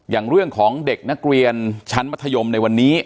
อย่างเรื่องของเด็กนักเรียนชั้นมัธยมในวันนี้